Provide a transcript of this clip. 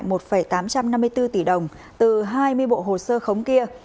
ông hòa đã nộp lại một tám trăm năm mươi bốn tỷ đồng từ hai mươi bộ hồ sơ khống kia